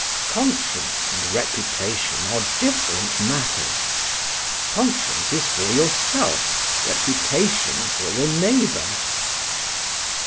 Conscience and reputation are different matters: conscience is for yourself, reputation for your neighbour."